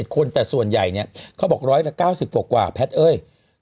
๙๑คนแต่ส่วนใหญ่เนี่ยเขาบอก๑๐๐และ๙๐กว่าแพทย์